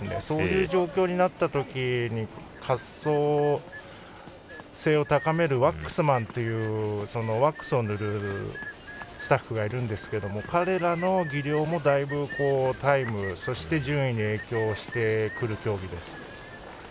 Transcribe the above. そういう状況になったときに滑走性を高めるワックスマンというワックスを塗るスタッフがいるんですが彼らの技量もだいぶタイムそして順位に影響してくる競技です。